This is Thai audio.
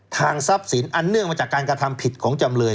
ทรัพย์สินอันเนื่องมาจากการกระทำผิดของจำเลย